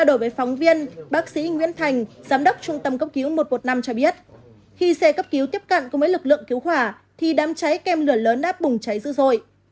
tiến sĩ bác sĩ bùi tuấn anh giám đốc trung tâm cấp cứu một trăm một mươi năm cho biết khi xe cấp cứu tiếp cận cùng với lực lượng cứu khỏa thì đám cháy kem lửa lớn đã bùng cháy dữ dội